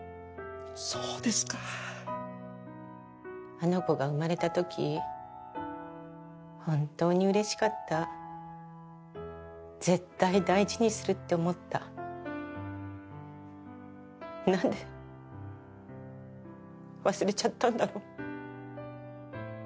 そうですかあの子が生まれた時本当に嬉しかった絶対大事にするって思った何で忘れちゃったんだろう